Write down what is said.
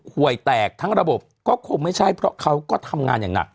หวยแตกทั้งระบบก็คงไม่ใช่เพราะเขาก็ทำงานอย่างหนัก